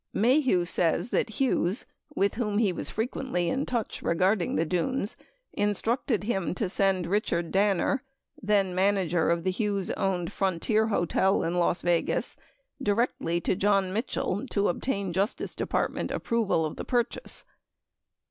Maheu says that Hughes, with whom he was frequently in touch regarding the Dunes, in structed him to send Richard Danner, then manager of the Hughes owned Frontier Hotel in Las Vegas, directly to John Mitchell to ob tain Justice Department approval of the purchase.